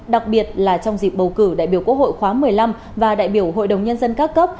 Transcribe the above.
đặc biệt là trong dịp bầu cử đại biểu quốc hội khóa một mươi năm và đại biểu hội đồng nhân dân các cấp